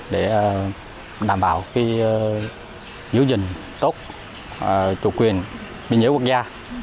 để đảm bảo giữ gìn tốt chủ quyền biên giới quốc gia